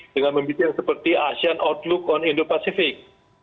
dengan memimpin yang seperti asean outlook on indo pacific